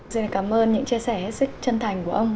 xin cảm ơn những chia sẻ hết sức chân thành của ông